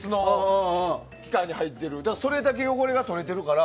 それだけ汚れが取れてるから。